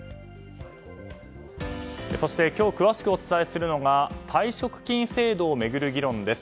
そして今日詳しくお伝えするのが退職金制度を巡る議論です。